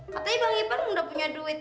katanya bang ipar udah punya duit